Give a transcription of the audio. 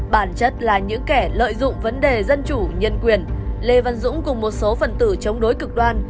bản chất là những kẻ lợi dụng vấn đề dân chủ nhân quyền lê văn dũng cùng một số phần tử chống đối cực đoan